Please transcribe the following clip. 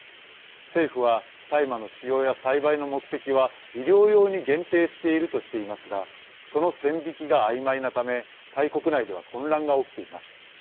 政府は大麻の使用や栽培の目的は医療用に限定しているとしていますがその線引きがあいまいなためタイ国内では混乱が起きています。